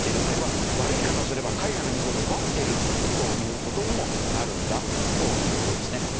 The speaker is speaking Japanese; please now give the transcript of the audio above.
あるいは悪い言い方をすれば海外の水を奪っているという事にもなるんだという事ですね。